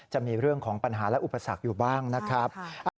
จะมีเรื่องของปัญหาและอุปสรรคอยู่บ้างนะครับ